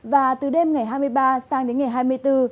và từ đêm ngày hai mươi ba sang đến ngày hai mươi bốn trời trời trở lại